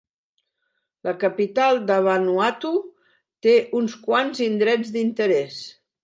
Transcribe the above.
La capital de Vanuatu té uns quants indrets d'interès.